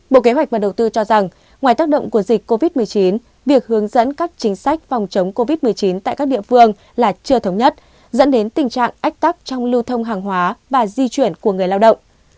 bộ kế hoạch và đầu tư cho rằng ngoài tác động của dịch covid một mươi chín việc hướng dẫn các chính sách phòng chống covid một mươi chín tại các địa phương là chưa thống nhất dẫn đến tình trạng ách tắc trong lưu thông hàng hóa và di chuyển của người lao động